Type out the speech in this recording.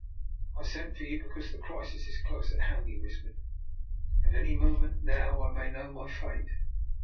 " I sent for you because the crisis is close at hand," he whispered. '' At any moment now I may know my fate.